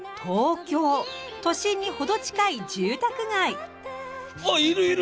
都心に程近い住宅街。